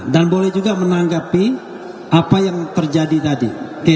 dan boleh juga menanggapi apa yang terjadi tadi